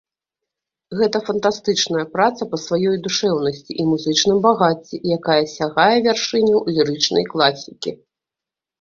Гэта фантастычная праца па сваёй душэўнасці і музычным багацці, якая сягае вяршыняў лірычнай класікі.